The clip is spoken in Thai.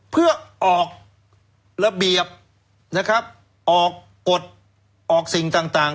เพื่อออกระเบียบนะครับออกกฎออกสิ่งต่าง